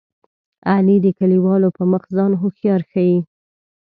علي د کلیوالو په مخ ځان هوښیار ښيي.